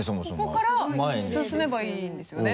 ここから進めばいいんですよね？